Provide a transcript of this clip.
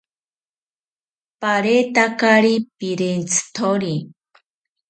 Paretakari pirentzithori